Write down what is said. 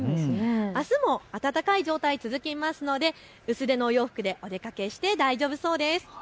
あすも暖かい状態、続きますので薄手のお洋服でお出かけして大丈夫そうです。